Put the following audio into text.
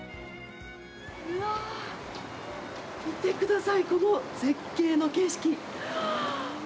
うわあ、見てください、この絶景の景色。